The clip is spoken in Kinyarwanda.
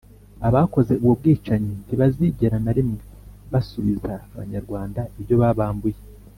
abakoze ubwo bwicanyi ntibazigera na rimwe basubiza abanyarwanda ibyo babambuye